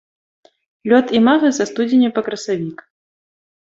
Лёт імага са студзеня па красавік.